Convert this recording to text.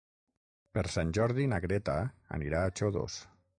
Per Sant Jordi na Greta anirà a Xodos.